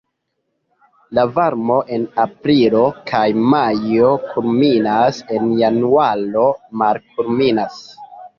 La varmo en aprilo kaj majo kulminas, en januaro malkulminas.